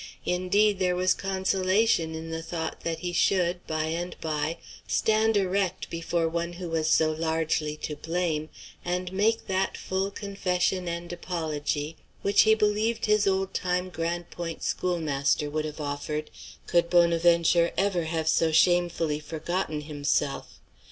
Indeed, there was consolation in the thought that he should, by and by, stand erect before one who was so largely to blame, and make that full confession and apology which he believed his old time Grande Pointe schoolmaster would have offered could Bonaventure ever have so shamefully forgotten himself.